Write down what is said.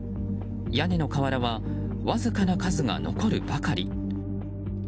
屋根の瓦はわずかな数が残るばかり。